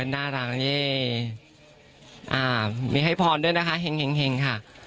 น่ารักนี่มีให้พรด้วยนะคะเห็งค่ะ